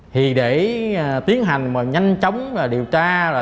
thì để tiến hành mà nhanh chóng điều tra